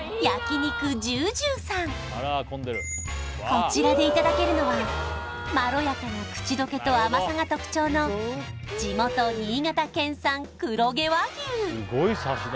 こちらでいただけるのはまろやかな口どけと甘さが特徴の地元新潟県産黒毛和牛